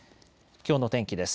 きょうの天気です。